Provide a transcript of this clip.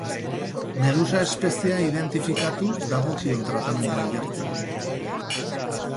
Medusa espeziea identifikatu dagokion tratamendua jartzeko.